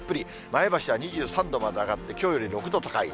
前橋は２３度まで上がって、きょうより６度高い。